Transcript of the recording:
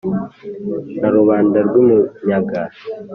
Na Rubanda rw' i Munyaga